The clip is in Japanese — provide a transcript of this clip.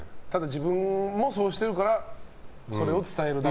自分もそうしてるからそれを伝えるだけ。